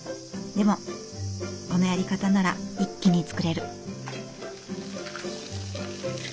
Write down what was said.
でもこのやり方なら一気に作れる。